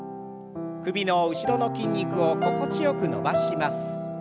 首の後ろの筋肉を心地よく伸ばします。